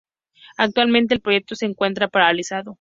Actualmente el proyecto se encuentra paralizado.